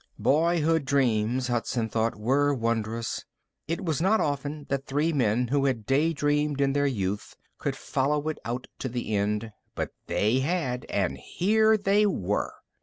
Boyhood dreams, Hudson thought, were wondrous. It was not often that three men who had daydreamed in their youth could follow it out to its end. But they had and here they were.